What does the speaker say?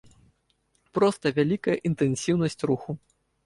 Проста вялікая інтэнсіўнасць руху.